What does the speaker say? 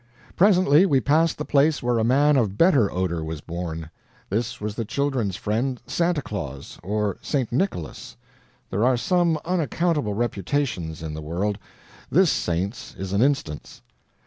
Presently we passed the place where a man of better odor was born. This was the children's friend, Santa Claus, or St. Nicholas. There are some unaccountable reputations in the world. This saint's is an instance.